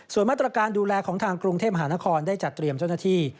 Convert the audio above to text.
ส่วนมาตรการดูแลของทางกรุงเทพมหานครได้จัดเตรียมเจ้าหน้าที่